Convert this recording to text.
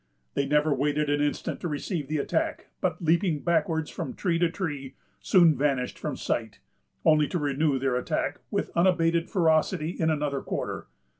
They never waited an instant to receive the attack, but, leaping backwards from tree to tree, soon vanished from sight, only to renew their attack with unabated ferocity in another quarter.